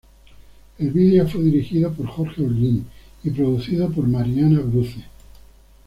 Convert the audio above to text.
El video fue dirigido por Jorge Olguín y producido por Mariana Bruce.